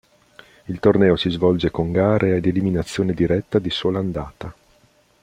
Il torneo si svolge con gare ad eliminazione diretta di sola andata.